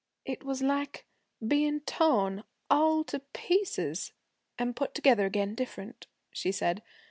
'It was like bein' torn all to pieces and put together again different,' she said.